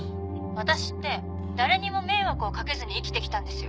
私って誰にも迷惑をかけずに生きてきたんですよ。